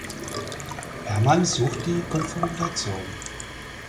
Hermann sucht die Konfrontation.